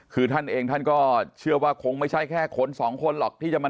คือท่านเองท่านก็เชื่อว่าคงไม่ใช่แค่คนสองคนหรอกที่จะมา